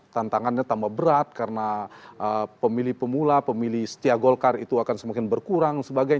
tantangannya tambah berat karena pemilih pemula pemilih setia golkar itu akan semakin berkurang